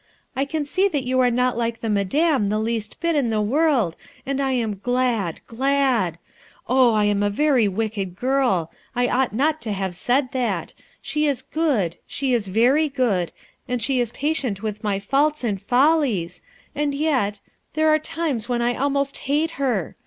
I can see that you are not like the Madame the least bit in the world, and I am glad, gladl Oh! I am a very wicked girl! I ought not to have said that; she is good, she h very good ; and she b patient 272 RUTII ERSKINE'S SON wilh my faults and follies; and yet — there arc limes when I almost hate her!